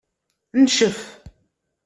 Ncef.